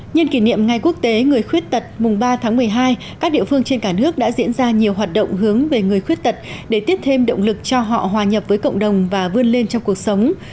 nhân kỷ niệm ngày quốc tế người khuyết tật mùng ba tháng một mươi hai các địa phương trên cả nước đã diễn ra nhiều hoạt động hướng về người khuyết tật để tiếp thêm động lực cho họ hòa nhập với cộng đồng và vươn lên trong cuộc sống